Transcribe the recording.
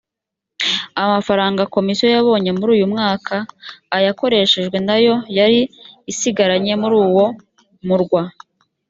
amafaranga komisiyo yabonye muri uyumwaka ayakoreshejwe nayo yari isigaranye muri uwo murwa